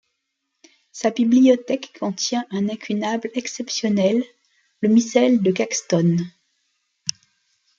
Sa bibliothèque contient un incunable exceptionnel, le missel de Caxton.